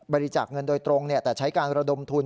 บริจักษ์เงินโดยตรงเนี่ยแต่ใช้การระดมทุน